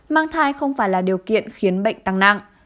mang thai không phải là điều kiện khiến bệnh tăng nặng